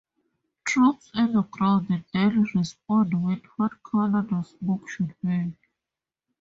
Troops on the ground then respond with what colour the smoke should be.